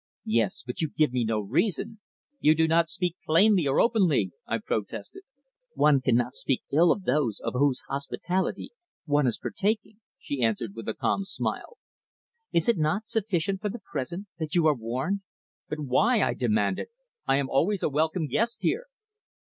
"Yes, but you give me no reason. You do not speak plainly and openly," I protested. "One cannot speak ill of those of whose hospitality one is partaking," she answered with a calm smile. "Is it not sufficient for the present that you are warned?" "But why?" I demanded. "I am always a welcome guest here."